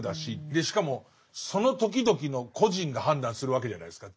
でしかもその時々の個人が判断するわけじゃないですか。